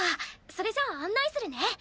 それじゃあ案内するね。